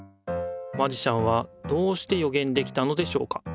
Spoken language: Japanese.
マジシャンはどうしてよげんできたのでしょうか。